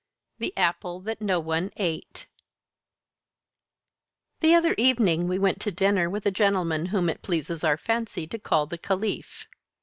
THE APPLE THAT NO ONE ATE The other evening we went to dinner with a gentleman whom it pleases our fancy to call the Caliph.